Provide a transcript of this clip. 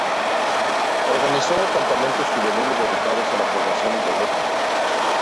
Organizó campamentos juveniles dedicados a la formación ideológica.